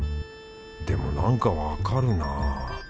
でもなんかわかるなぁ。